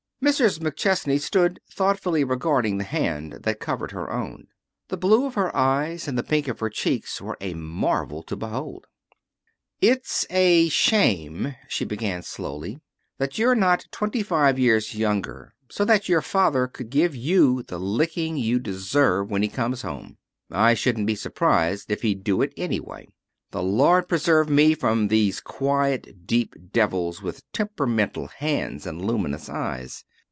H'm?" Mrs. McChesney stood thoughtfully regarding the hand that covered her own. The blue of her eyes and the pink of her cheeks were a marvel to behold. "It's a shame," she began slowly, "that you're not twenty five years younger, so that your father could give you the licking you deserve when he comes home. I shouldn't be surprised if he'd do it anyway. The Lord preserve me from these quiet, deep devils with temperamental hands and luminous eyes.